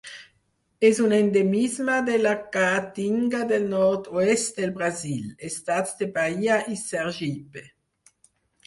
És un endemisme de la caatinga del nord-est del Brasil: estats de Bahia i Sergipe.